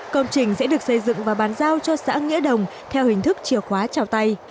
công trình sẽ được xây dựng và bán giao cho xã nghĩa đồng theo hình thức chìa khóa trào tay